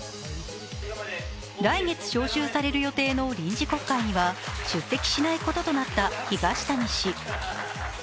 来月召集される予定の臨時国会には出席しないこととなった東谷氏。